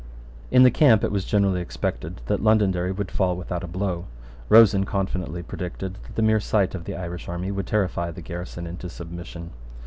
In the camp it was generally expected that Londonderry would fall without a blow. Rosen confidently predicted that the mere sight of the Irish army would terrify the garrison into submission.